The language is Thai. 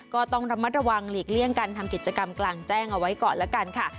ก็ต้องระมัดระวังหลีกเลี่ยงการทำกิจกรรมกลางแจ้งเอาไว้ก่อนแล้วกันค่ะ